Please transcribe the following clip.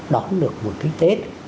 đón được một cái tết